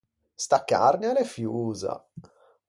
Sta carne a l’é fiosa.